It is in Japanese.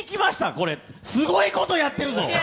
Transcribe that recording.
これ、すごいことやってるぞ！